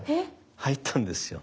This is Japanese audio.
入ったんですよ。